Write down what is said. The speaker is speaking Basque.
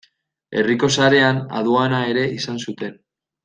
Herriko sarreran aduana ere izan zuten.